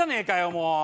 もう。